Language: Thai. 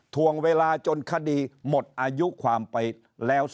พริวกันไปพริวกันมา